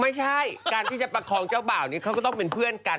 ไม่ใช่การที่จะประคองเจ้าบ่าวนี้เขาก็ต้องเป็นเพื่อนกัน